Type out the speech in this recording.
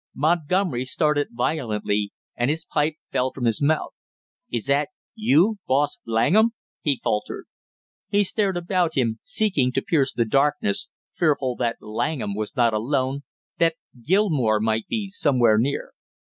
Montgomery started violently and his pipe fell from his mouth. "Is that you, Boss Langham?" he faltered. He stared about him seeking to pierce the darkness, fearful that Langham was not alone, that Gilmore might be somewhere near.